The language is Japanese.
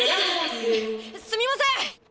すみません！